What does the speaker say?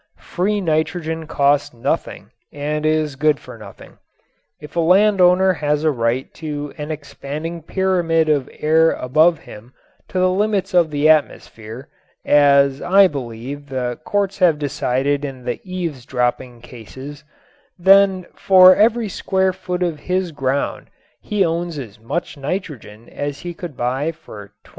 Free nitrogen costs nothing and is good for nothing. If a land owner has a right to an expanding pyramid of air above him to the limits of the atmosphere as, I believe, the courts have decided in the eaves dropping cases then for every square foot of his ground he owns as much nitrogen as he could buy for $2500.